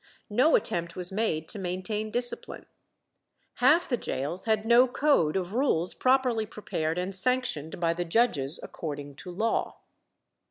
No attempt was made to maintain discipline. Half the gaols had no code of rules properly prepared and sanctioned by the judges, according to law.